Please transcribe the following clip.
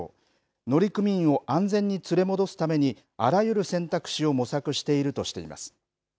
乗組員を安全に連れ戻すためにあらゆる選択肢を模索しているとしています。